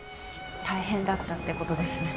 大変だったってことですね。